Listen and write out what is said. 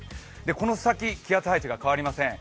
この先、気圧配置が変わりません。